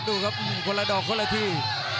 ดูครับคนละดอกคนละที